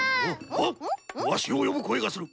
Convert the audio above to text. おっわしをよぶこえがする。